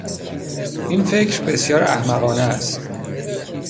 این فکر بسیار احمقانه است